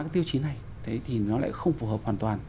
các tiêu chí này thì nó lại không phù hợp hoàn toàn